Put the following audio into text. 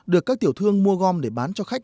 được các tiểu thương mua gom để bán cho khách